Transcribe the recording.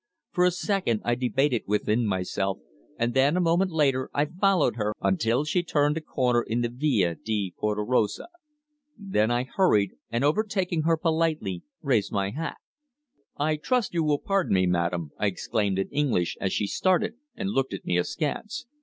For a second I debated within myself, and then a moment later I followed her until she turned a corner in the Via di Porta Rossa. Then I hurried, and overtaking her politely raised my hat. "I trust you will pardon me, Madame," I exclaimed in English, as she started and looked at me askance.